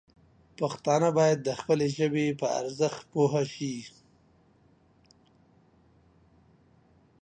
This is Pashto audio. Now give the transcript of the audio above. پښتانه باید د خپلې ژبې په ارزښت پوه شي.